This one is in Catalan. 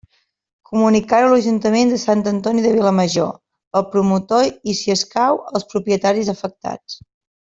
Comunicar-ho a l'Ajuntament de Sant Antoni de Vilamajor, al promotor i, si escau, als propietaris afectats.